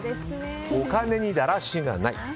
お金にだらしがない。